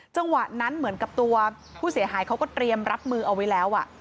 จังหวะนั้นเหมือนกับตัวผู้เสียหายเขาก็เตรียมรับมือเอาไว้แล้ว